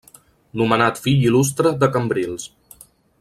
Nomenat fill il·lustre de Cambrils.